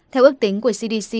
theo ước tính của cdc